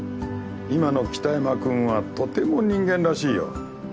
今の北山君はとても人間らしいよ。